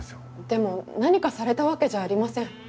でも何かされたわけじゃありません。